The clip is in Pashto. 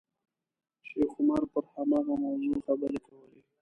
شیخ عمر پر هماغه موضوع خبرې کولې.